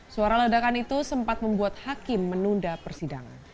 suara ledakan itu sempat membuat hakim menunda persidangan